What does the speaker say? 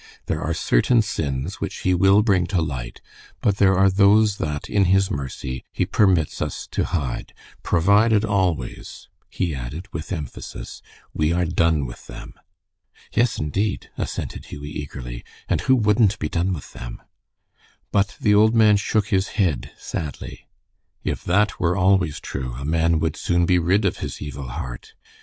"There are certain sins which he will bring to light, but there are those that, in his mercy, he permits us to hide; provided always," he added, with emphasis, "we are done with them." "Yes, indeed," assented Hughie, eagerly, "and who wouldn't be done with them?" But the old man shook his head sadly. "If that were always true a man would soon be rid of his evil heart.